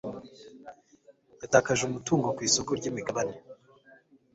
Yatakaje umutungo ku isoko ryimigabane.